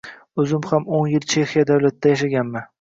Oʻzim ham o'n yil Chexiya davlatida yashaganman.